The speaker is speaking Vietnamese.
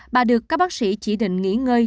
bà được các bác sĩ chỉ định nghỉ ngơi